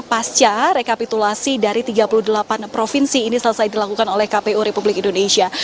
pasca rekapitulasi dari tiga puluh delapan provinsi ini selesai dilakukan oleh kpu republik indonesia